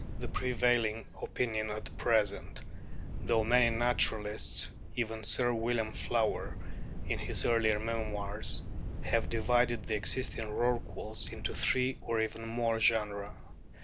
} 144 RORQUALS 145 the prevailing opinion at present, though many naturalists even Sir William Flower in his earlier memoirs have divided the existing Rorquals into three or even more genera.